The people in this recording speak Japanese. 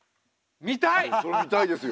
そりゃ見たいですよ。